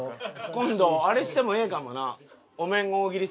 今度あれしてもええかもな。